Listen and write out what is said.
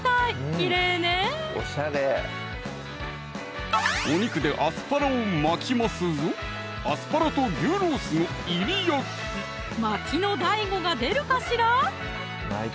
きれいねお肉でアスパラを巻きますぞ巻きのＤＡＩＧＯが出るかしら？